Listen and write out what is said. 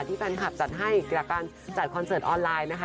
แฟนคลับจัดให้จากการจัดคอนเสิร์ตออนไลน์นะคะ